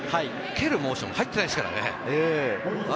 蹴るモーションに入っていないですからね。